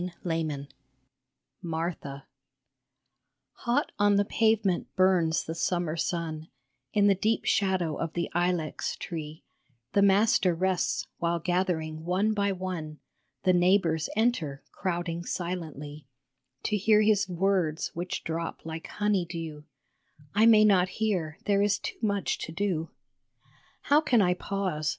MARTHA 1 1 MARTHA HOT on the pavement burns the summer sun, In the deep shadow of the ilex tree The Master rests, while gathering one by one The neighbors enter, crowding silently To hear His words, which drop like honey dew ; I may not hear, there is too much to do. How can I pause